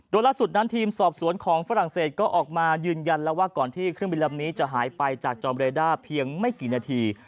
โดยล่าสุดนั้นทีมสอบสวนของฝรั่งเศสก็ออกมายืนยันแล้วว่าก่อนที่เครื่องบินลำนี้จะหายไปจากจอมเรด้าเพียงไม่กี่นาที